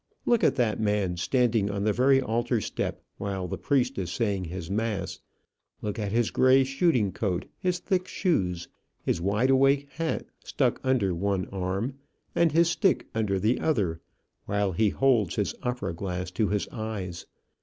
Look at that man standing on the very altar step while the priest is saying his mass; look at his gray shooting coat, his thick shoes, his wide awake hat stuck under one arm, and his stick under the other, while he holds his opera glass to his eyes.